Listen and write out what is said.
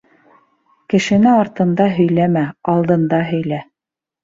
Кешене артында һөйләмә, алдында һөйлә.